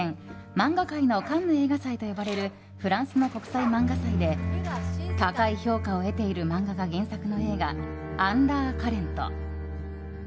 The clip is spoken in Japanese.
漫画界のカンヌ映画祭と呼ばれるフランスの国際漫画祭で高い評価を得ている漫画が原作の映画「アンダーカレント」。